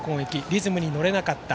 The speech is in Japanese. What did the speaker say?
リズムに乗れなかった。